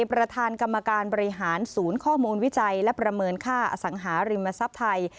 ประธานกรรมการบริหารศูนย์ข้อมูลวิจัยและประเมินค่าอสังหาริมทรัพย์ไทย